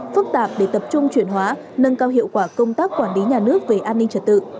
phức tạp để tập trung chuyển hóa nâng cao hiệu quả công tác quản lý nhà nước về an ninh trật tự